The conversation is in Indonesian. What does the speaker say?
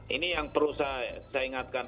ini yang perlu saya ingatkan